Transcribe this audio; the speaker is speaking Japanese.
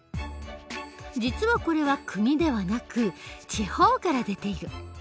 実はこれは国ではなく地方から出ている。